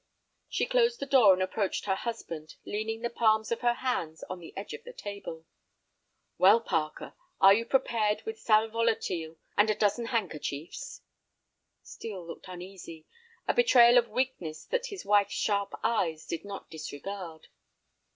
She closed the door and approached her husband, leaning the palms of her hands on the edge of the table. "Well, Parker, are you prepared with sal volatile and a dozen handkerchiefs?" Steel looked uneasy, a betrayal of weakness that his wife's sharp eyes did not disregard.